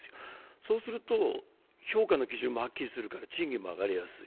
そうすると評価の基準もはっきりするから賃金も上げやすい。